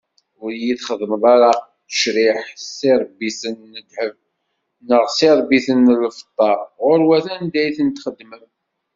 Ur iyi-xeddmet ara acrik s iṛebbiten n ddheb, neɣ s iṛebbiten n lfeṭṭa, ɣur-wat anda i ten-txeddmem.